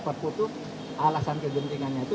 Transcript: perputu alasan gentingannya itu